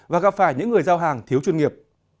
và gặp phải những người giao hàng thiếu chuyên nghiệp